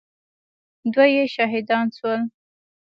دوه يې شهيدان سول.